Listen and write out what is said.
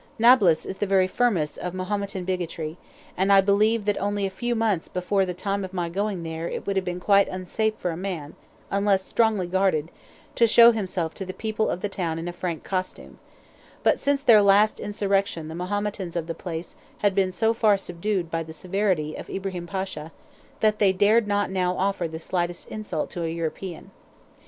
Nablus is the very furnace of Mahometan bigotry; and I believe that only a few months before the time of my going there it would have been quite unsafe for a man, unless strongly guarded, to show himself to the people of the town in a Frank costume; but since their last insurrection the Mahometans of the place had been so far subdued by the severity of Ibrahim Pasha, that they dared not now offer the slightest insult to an European.